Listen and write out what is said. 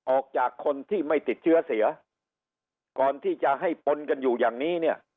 ออกจากคนที่ไม่ติดเชื้อเสียก่อนที่จะให้ปนกันอยู่อย่างนี้เนี่ย